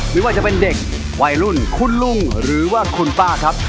ไม่ว่าจะเป็นเด็กวัยรุ่นคุณลุงหรือว่าคุณป้าครับ